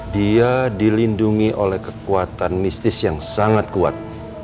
dia dilindungi oleh kekuatan mistis yang sangat kuat